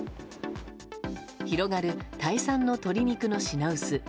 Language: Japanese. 広がるタイ産の鶏肉の品薄。